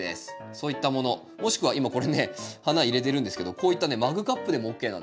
そういったものもしくは今これね花入れてるんですけどこういったねマグカップでもＯＫなんですよ。